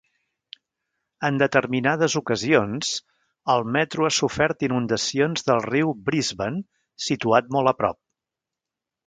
En determinades ocasions, el metro ha sofert inundacions del riu Brisbane, situat molt a prop.